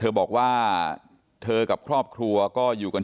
ทีนี้ก็ต้องถามคนกลางหน่อยกันแล้วกัน